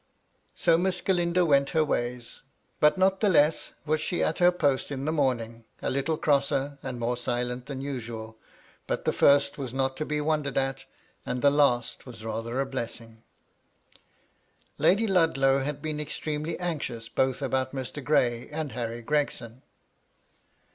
So Miss Galindo went her ways ; but not the less was she at her post in the morning; a little crosser and more silent than usual ; but the first was not to be wondered at, and the last was rather a blessing. MY LADY LUDLOW. 251 Lady Ludlow had been extremely anxious both about Mr. Gray and Harry Gregson.